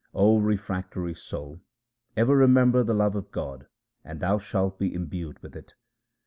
O refractory soul, ever remember the love of God and thou shalt be imbued with it.